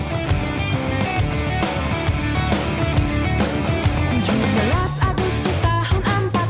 tujuh belas agustus tahun empat puluh